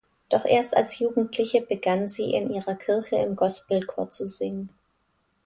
Doch erst als Jugendliche begann sie in ihrer Kirche im Gospelchor zu singen.